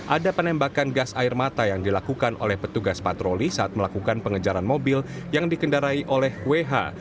ada penembakan gas air mata yang dilakukan oleh petugas patroli saat melakukan pengejaran mobil yang dikendarai oleh wh